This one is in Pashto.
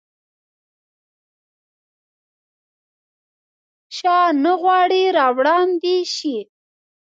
شاه نه غواړي راوړاندي شي.